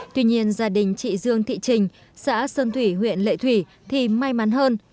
tuy nhiên gia đình chị dương thị trình xã sơn thủy huyện lệ thủy thì may mắn hơn